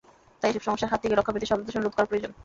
তাই এসব সমস্যার হাত থেকে রক্ষা পেতে শব্দদূষণ রোধ করা প্রয়োজন।